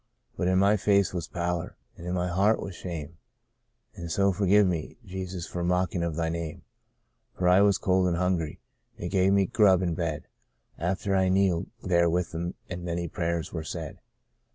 But in my face was pallor, and in my heart was shame — An' so fergive me, Jesus, for mockin' of Thy Name; For I was cold and hungry — they gave me grub an' bed After I'd kneeled there with them, ail' many prayers were said.